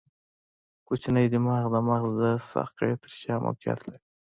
کوچنی دماغ د مغز د ساقې تر شا موقعیت لري.